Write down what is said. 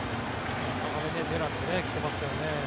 狙ってきてますからね。